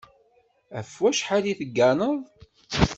Ɣef wacḥal i tegganeḍ?